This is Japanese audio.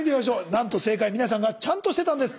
なんと正解は皆さんがちゃんとしてたんです。